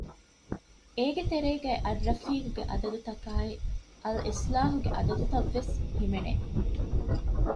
އޭގެ ތެރޭގައި އައްރަފީޤު ގެ އަދަދުތަކާއި އަލްއިޞްލާހު ގެ އަދަދުތައް ވެސް ހިމެނެ